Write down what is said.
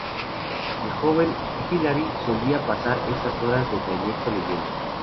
El joven Hillary solía pasar estas horas de trayecto leyendo.